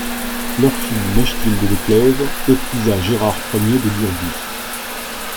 Leur fille Mechthilde de Clèves épousa Gérard Ier de Durbuy.